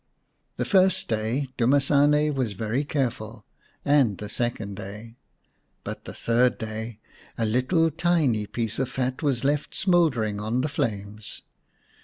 The first day Dumasane was very careful, and the second day. But the third day a little tiny 125 The Fairy Bird x piece of fat was left smouldering on the flames.